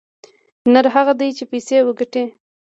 نر هغه دى چې پيسې وگټي.